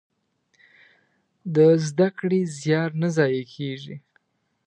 د زده کړې زيار نه ضايع کېږي.